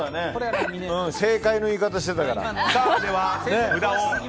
正解の言い方してたからね。